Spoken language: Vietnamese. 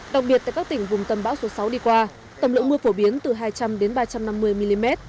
đặc biệt tại các tỉnh vùng tâm bão số sáu đi qua tầm lượng mưa phổ biến từ hai trăm linh đến ba trăm năm mươi mm